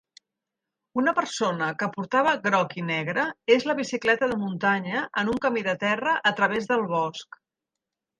Una persona que portava groc i negre és la bicicleta de muntanya en un camí de terra a través del bosc.